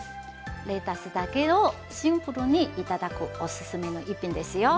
レタスだけをシンプルに頂くおすすめの一品ですよ。